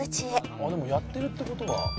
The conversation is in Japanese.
「あっでもやってるって事は」